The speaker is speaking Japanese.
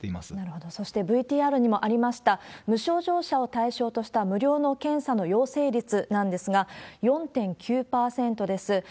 そしてＶＴＲにもありました、無症状者を対象とした無料の検査の陽性率なんですが、４．９％です。